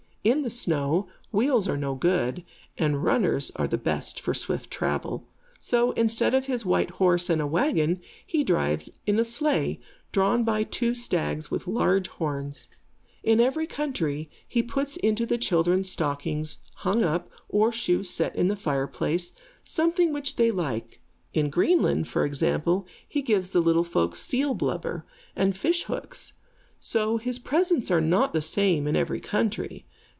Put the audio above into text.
In the snow, wheels are no good, and runners are the best for swift travel. So, instead of his white horse and a wagon, he drives in a sleigh, drawn by two stags with large horns. In every country, he puts into the children's stockings hung up, or shoes set in the fireplace, something which they like. In Greenland, for example, he gives the little folks seal blubber, and fish hooks. So his presents are not the same in every country.